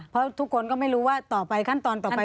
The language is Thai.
เพราะทุกคนก็ไม่รู้ว่าต่อไปขั้นตอนต่อไป